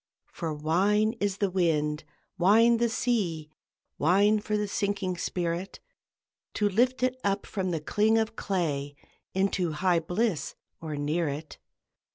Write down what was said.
For wine is the wind, wine the sea, Wine for the sinking spirit, To lift it up from the cling of clay Into high Bliss or near it!